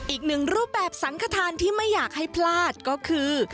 อีกหนึ่งรูปแบบสังขทานที่ไม่อยากให้พลาดก็คือ